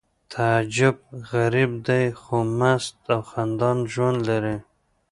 تعجب غریب دی خو مست او خندان ژوند لري